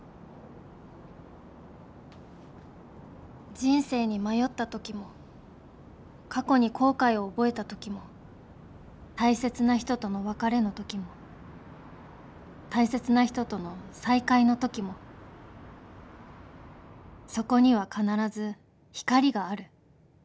人生に迷った時も過去に後悔を覚えた時も大切な人との別れの時も大切な人との再会の時もそこには必ず光がある。